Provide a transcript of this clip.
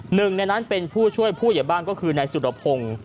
หนึ่งในนั้นเป็นผู้ช่วยผู้ใหญ่บ้านก็คือนายสุรพงศ์